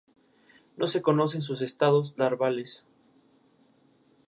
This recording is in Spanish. No se conocen sus estadios larvales.